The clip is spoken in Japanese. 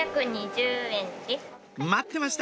待ってました！